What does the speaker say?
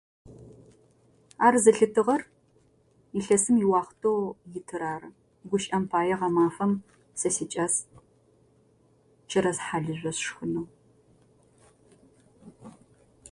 Ар зэлъытыгъэр илъэсым иуахътэу итыр ары. Гущыӏэм пае гъэмафэм сэ сикӏас чэрэз хьалыжъо сшхынэу.